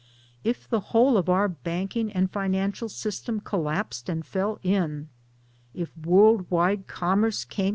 If the whole of our Banking and Financial system 1 col lapsed and fell in, if world wide Commerce came.